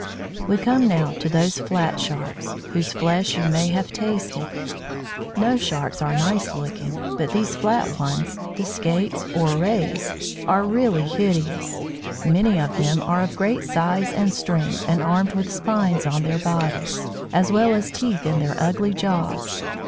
We come now to those flat Sharks, whose flesh you may have tasted. No Sharks are nice looking, but these flat ones the Skates or Rays are really hideous, Many of them are of great size and strength, and armed with spines on their bodies (see p. 52, No. 3) as well as teeth in their ugly jaws.